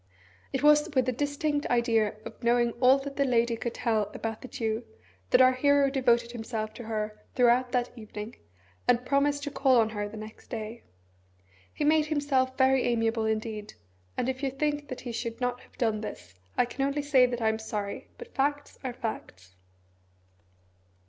It was with the distinct idea of knowing all that the lady could tell about the Jew that our hero devoted himself to her throughout that evening, and promised to call on her the next day. He made himself very amiable indeed, and if you think that he should not have done this, I can only say that I am sorry, but facts are facts.